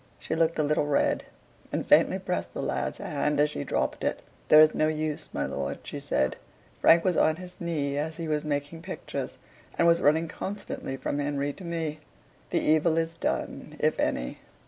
She looked a little red, and faintly pressed the lad's hand as she dropped it. "There is no use, my lord," she said; "Frank was on his knee as he was making pictures, and was running constantly from Henry to me. The evil is done, if any."